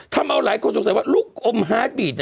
ถ้าเอาไลค์คนสงสัยว่าลูกอมฮาร์ดบีท